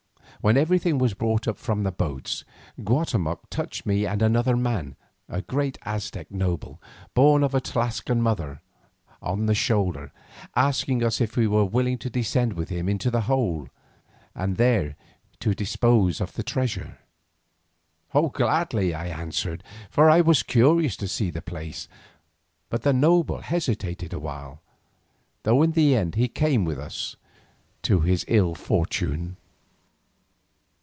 When everything was brought up from the boats, Guatemoc touched me and another man, a great Aztec noble, born of a Tlascalan mother, on the shoulder, asking us if we were willing to descend with him into the hole, and there to dispose of the treasure. "Gladly," I answered, for I was curious to see the place, but the noble hesitated awhile, though in the end he came with us, to his ill fortune.